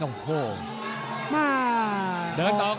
เดินต่อครับพึ่งหลวง